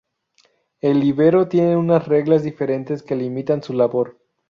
El líbero tiene unas reglas diferentes que limitan su labor.